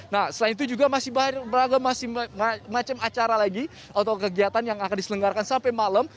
nah selain itu juga masih beragam masih macam macam acara lagi atau kegiatan yang akan diselenggarkan sampai malam